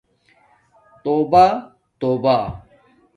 توبہ توبہ